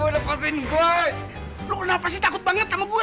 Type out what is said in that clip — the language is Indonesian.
lepasin gue lepasin gue takut banget sama gue